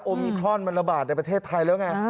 มิครอนมันระบาดในประเทศไทยแล้วไง